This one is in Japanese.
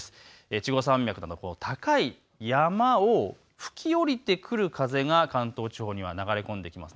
越後山脈など高い山を吹き降りてくる風が関東地方には流れ込んできます。